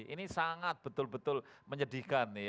ini sangat betul betul menyedihkan